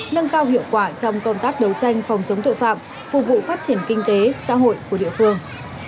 nâng cao hiệu quả trong công tác đấu tranh phòng chống tội phạm phục vụ phát triển kinh tế xã hội của địa phương